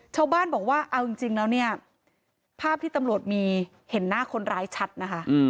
ชาวบ้านบอกว่าเอาจริงแล้วเนี่ยภาพที่ตำรวจมีเห็นหน้าคนร้ายชัดนะคะ